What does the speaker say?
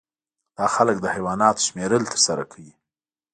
دا خلک د حیواناتو شمیرل ترسره کوي